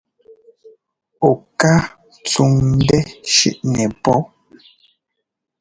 Ɔ ká tsúŋ ńdɛ́ shʉʼnɛ pó.